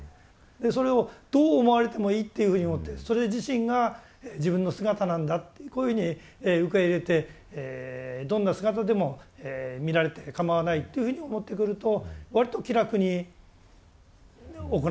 それをどう思われてもいいっていうふうに思ってそれ自身が自分の姿なんだってこういうふうに受け入れてどんな姿でも見られてかまわないというふうに思ってくるとわりと気楽に行える。